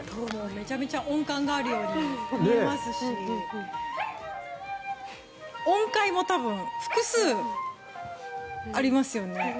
めちゃめちゃ音感があるように思いますし音階も多分、複数ありますよね。